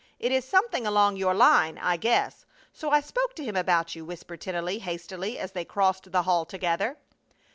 It is something along your line, I guess, so I spoke to him about you," whispered Tennelly, hastily, as they crossed the hall together.